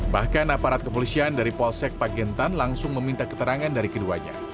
bahkan aparat kepolisian dari polsek pak gentan langsung meminta keterangan dari keduanya